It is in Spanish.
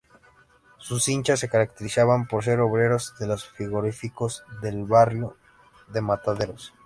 Sus hinchas se caracterizaban por ser obreros de los frigoríficos del barrio de Mataderos.